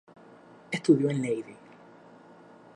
Estudió en Leiden.